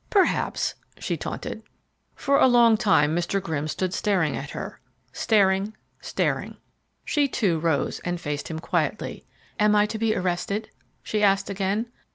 "Perhaps," she taunted. For a long time Mr. Grimm stood staring at her, staring, staring. She, too, rose, and faced him quietly. "Am I to be arrested?" she asked again.